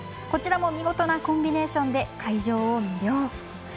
こちらも見事なコンビネーションで会場を魅了。